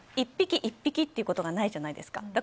１匹、１匹ということがないじゃないですか。